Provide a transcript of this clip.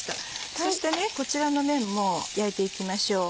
そしてこちらの面も焼いていきましょう。